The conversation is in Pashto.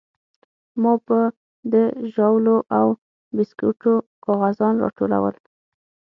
ما به د ژاولو او بيسکوټو کاغذان راټولول.